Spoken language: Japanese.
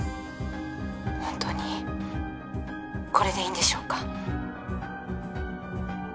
本当にこれでいいんでしょうか？